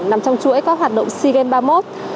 nằm trong chuỗi các hoạt động sea games ba mươi một